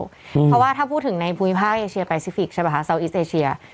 เพราะว่าถ้าพูดถึงในภูมิภาคเอเชียปราซิฟิกส์ซาวน์อิสเอเชีย